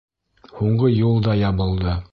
Һуңғы юл да ябылды!